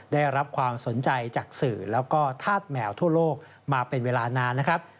ได้รับความสนใจจากสื่อแล้วก็ธาตุแมวทั่วโลกมาเป็นเวลานานนะครับ